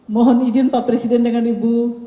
mohon izin pak presiden dengan ibu